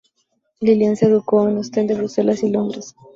Lilian se educó en Ostende, Bruselas y Londres.